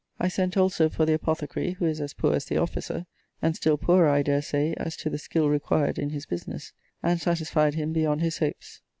I sent also for the apothecary, who is as poor as the officer, (and still poorer, I dare say, as to the skill required in his business,) and satisfied him beyond his hopes.